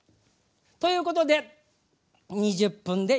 ということで２０分で。